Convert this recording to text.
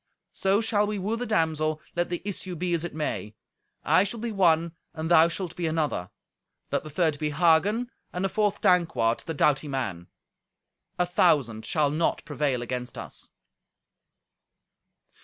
So shall we woo the damsel, let the issue be as it may. I shall be one, and thou shalt be another. Let the third be Hagen, and the fourth Dankwart, the doughty man. A thousand shall not prevail against us."